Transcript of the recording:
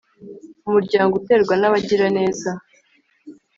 Umuryango uterwa n abagiraneza